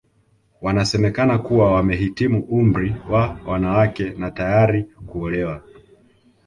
Wanasemekana kuwa wamehitimu umri wa wanawake na tayari kuolewa